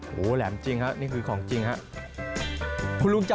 โอ้โฮแหลมจริงฮะนี่คือของจริงฮะ